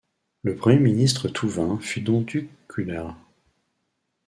Le premier Premier ministre touvain fut Donduk Kuular.